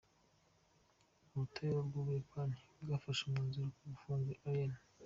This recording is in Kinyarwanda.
Ubutabera bwUbuyapani bwafashe umwanzuro wo gufunga Iryn.